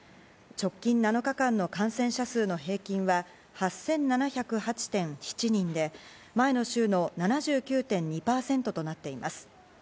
直近７日間の感染者数の平均は８７０８．７人で前の週の７９．２％となっています。